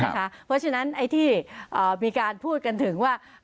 เพราะฉะนั้นไอ้ที่มีการพูดกันถึงว่า